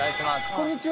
こんにちは。